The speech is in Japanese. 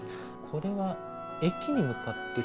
これは駅に向かってる？